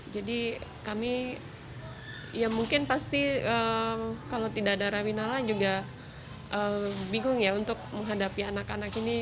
jadi kami ya mungkin pasti kalau tidak ada raminala juga bingung ya untuk menghadapi anak anak ini